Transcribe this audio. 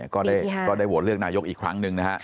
ก็ได้โหวตเลือกนายกอีกครั้งหนึ่งนะฮะ